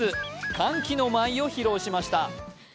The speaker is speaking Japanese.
歓喜の舞を披露しました。